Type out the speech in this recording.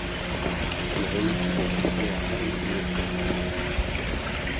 Mirin dibetiya herî misoger e.